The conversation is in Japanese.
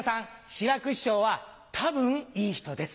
志らく師匠は多分いい人です。